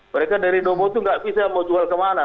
mereka dari dobo itu nggak bisa mau jual kemana